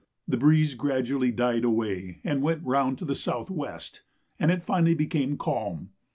The breeze gradually died away and went round to the S.W., and it finally became calm.